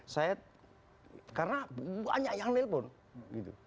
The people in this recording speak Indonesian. saya karena banyak yang nelpon gitu